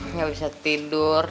nggak bisa tidur